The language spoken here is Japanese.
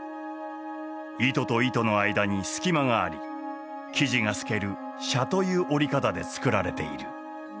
糸と糸の間に隙間があり生地が透ける紗という織り方で作られている。